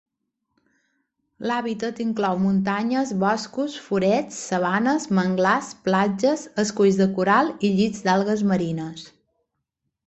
L'hàbitat inclou muntanyes, boscos, forests, sabanes, manglars, platges, esculls de coral i llits d'algues marines.